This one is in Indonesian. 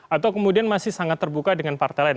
atau kemudian masih sangat terbuka dengan partai lain